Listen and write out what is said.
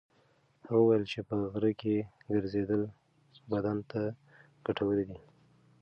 هغه وویل چې په غره کې ګرځېدل بدن ته ګټور دي.